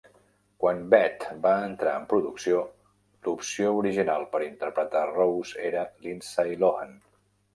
Quan "Bette" va entrar en producció, l'opció original per interpretar Rose era Lindsay Lohan.